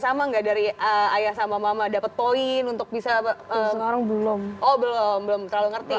sama enggak dari ayah sama mama dapet poin untuk bisa belum belum belum terlalu ngerti